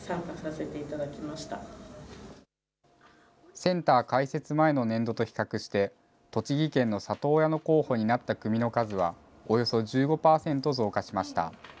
センター開設前の年度と比較して、栃木県の里親の候補になった組の数はおよそ１５％増加しました。